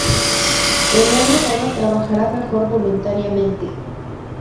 El hombre bueno trabajará mejor voluntariamente.